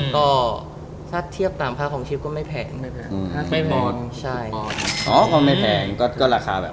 ก็ถ้าเทียบตามภาพของชิปก็ไม่แพงใช่อ๋อความไม่แพงก็ราคาแบบ